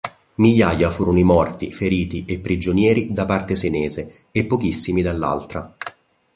Migliaia furono i morti, feriti e prigionieri da parte senese e pochissimi dall'altra.